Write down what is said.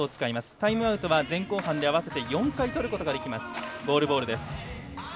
タイムアウトは前後半で合わせて４回とることができるゴールボールです。